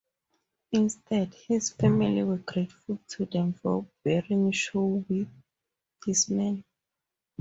Instead, his family were grateful to them for burying Shaw with his men.